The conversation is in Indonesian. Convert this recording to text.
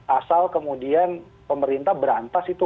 asal kemudian pemerintah berantas itu